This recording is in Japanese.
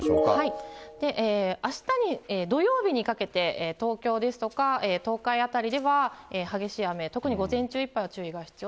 あしたに、土曜日にかけて、東京ですとか、東海辺りでは、激しい雨、特に午前中いっぱいは注意が必要。